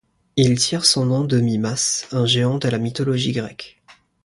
Il tire son nom de Mimas, un Géant de la mythologie grecque.